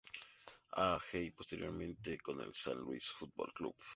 A. G. y posteriormente con el San Luis Fútbol Club.